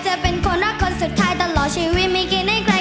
เป็นคนรักคนสุดท้ายตลอดชีวิตไม่กินให้ใคร